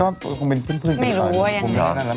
ก็คงเป็นเพื่อนไม่รู้ว่าอย่างนี้หรอ